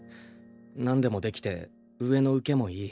何でもできて上の受けもいい。